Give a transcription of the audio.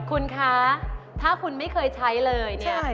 คุณคะถ้าคุณไม่เคยใช้เลยเนี่ย